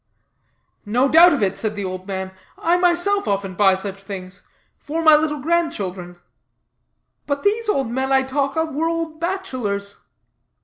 "No doubt of it," said the old man. "I myself often buy such things for my little grandchildren." "But these old men I talk of were old bachelors."